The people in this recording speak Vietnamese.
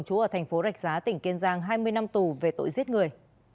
chú ở thành phố rạch giá tỉnh kiên giang hai mươi năm tù về tội giết người